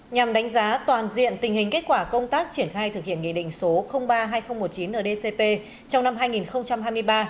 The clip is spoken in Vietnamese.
nhằm đánh giá toàn diện tình hình kết quả công tác triển khai thực hiện nghị định số ba hai nghìn một mươi chín ở dcp trong năm hai nghìn hai mươi ba